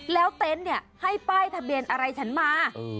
แล้วเต็นต์เนี่ยให้ป้ายทะเบียนอะไรฉันมา